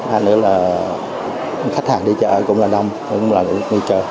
hai nữa là khách hàng đi chợ cũng là đông cũng là đi chợ